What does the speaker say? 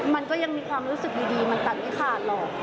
มันก็ยังมีความรู้สึกดีมันตัดไม่ขาดหรอก